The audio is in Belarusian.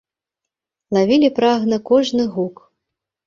Лавілі прагна кожны гук.